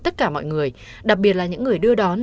tất cả mọi người đặc biệt là những người đưa đón